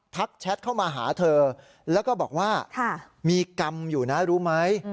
แชทเข้ามาหาเธอแล้วก็บอกว่ามีกรรมอยู่นะรู้ไหม